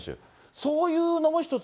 そういうのも一つ。